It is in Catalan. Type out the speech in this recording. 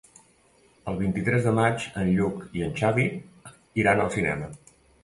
El vint-i-tres de maig en Lluc i en Xavi iran al cinema.